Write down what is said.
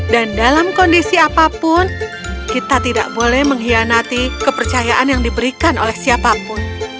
dan dalam kondisi apapun kita tidak boleh mengkhianati kepercayaan yang diberikan oleh siapapun